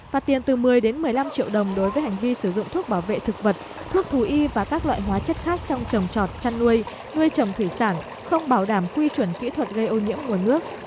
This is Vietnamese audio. phạt tiền từ một mươi một mươi năm triệu đồng đối với hành vi sử dụng thuốc bảo vệ thực vật thuốc thù y và các loại hóa chất khác trong trồng trọt chăn nuôi nuôi trồng thủy sản không bảo đảm quy chuẩn kỹ thuật gây ô nhiễm nguồn nước